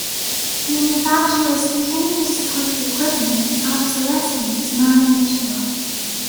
Manufacturers continue to support the equipment and obsolescence is not an issue.